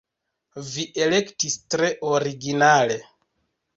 Vi elektis tre originale!